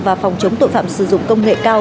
và phòng chống tội phạm sử dụng công nghệ cao